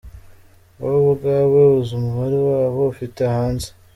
Wowe ubwawe uzi umubare w’abo ufite hanze.